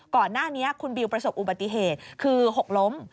ก่อนหน้านี้คุณบิวประสบอุบัติเหตุคือหกล้ม